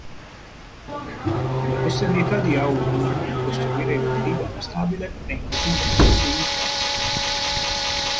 Le possibilità di Aoun di ricostruire un Libano stabile e indipendente si infransero.